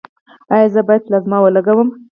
ایا زه باید پلازما ولګوم؟